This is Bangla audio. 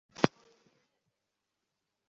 আমাকেও উদ্ধার করে নিয়ে যাও।